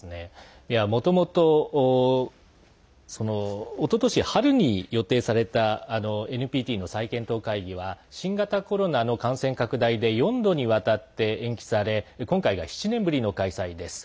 もともと、おととし春に予定されたＮＰＴの再検討会議は新型コロナの感染拡大で４度にわたって延期され今回が７年ぶりの開催です。